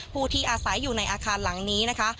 ผู้ที่อาศัยอยู่ในอาคารหลังนี้นะคะ